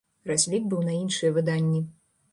Разлік быў на іншыя выданні.